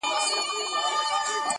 هم زړه سواندی هم د ښه عقل څښتن وو؛